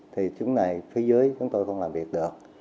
thì chúng này phía dưới chúng tôi không làm việc được